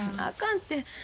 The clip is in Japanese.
あかんて。